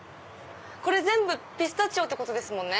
これ全部ピスタチオですもんね。